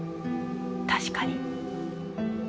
確かに。